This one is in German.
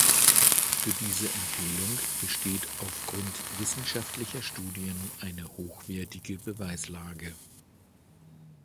Für diese Empfehlung besteht auf Grund wissenschaftlicher Studien eine hochwertige Beweislage.